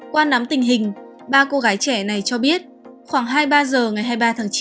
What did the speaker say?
qua nắm tình hình ba cô gái trẻ này cho biết khoảng hai mươi ba h ngày hai mươi ba tháng chín